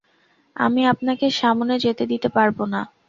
আমি আপনাকে সামনে যেতে দিতে পারবো না।